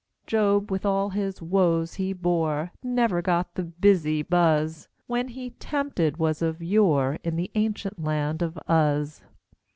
Job, with all the woes he bore, Never got the "busy" buzz When he tempted was of yore In the ancient land of Uz.